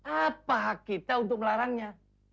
apa hak kita untuk melarangnya